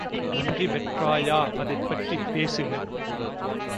நன்றி பெற்றாயா அதைப்பற்றிப் பேசுக.